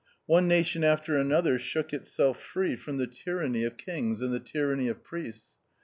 One nation after another shook itself free from the tyranny 38 THE OUTCAST. of kings and the tyranny of priests.